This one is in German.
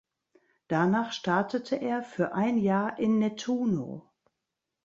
Danach startete er für ein Jahr in Nettuno.